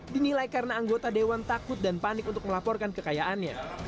dinilai karena anggota dewan takut dan panik untuk melaporkan kekayaannya